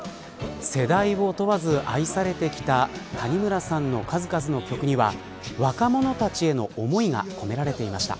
世代を問わず愛されてきた谷村さんの数々の曲には若者たちへの思いが込められていました。